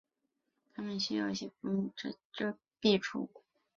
它们需要一些浮木及叶堆遮蔽处。